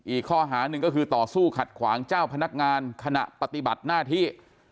อีกข้อหาหนึ่งก็คือต่อสู้ขัดขวางเจ้าพนักงานขณะปฏิบัติหน้าที่